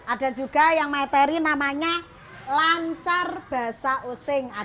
ada juga yang materi namanya lancar bahasa using